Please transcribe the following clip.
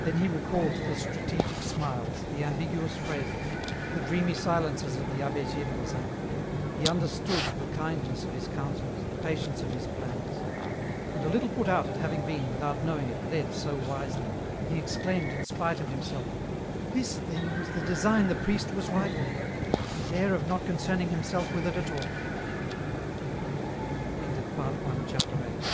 Then he recalled the strategic smiles, the ambiguous phrases, the dreamy silences of the Ahh6 Gdvresin, he understood the kindness of his counsels, the patience of his plans ; and a little put out at having been, without knowing it, led so wisely, he exclaimed in spite of himself, " This, then, was the design the priest was ripening, with his air of not concerning himself with it at alL" CHAPT